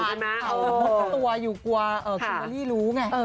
มุดตัวอยู่กว่าคุณว่าลี่รู้ไง